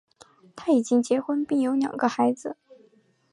他已经结婚并有两个孩子。